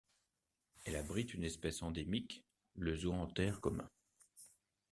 Elle abrite une espèce endémique, le zoanthaire commun.